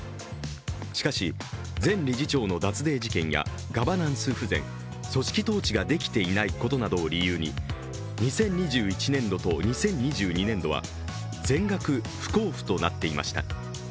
しかし、前理事長の脱税事件やガバナンス不全、組織統治ができていないことなどを理由に２０２１年度と２０２２年度は全額不交付となっていました。